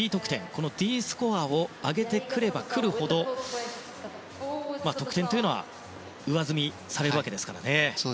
このＤスコアを上げてくればくるほど得点は上積みされるわけです。